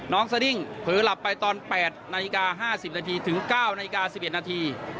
สดิ้งเผลอหลับไปตอน๘นาฬิกา๕๐นาทีถึง๙นาฬิกา๑๑นาที